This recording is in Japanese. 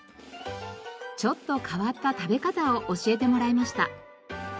ちょっと変わった食べ方を教えてもらいました。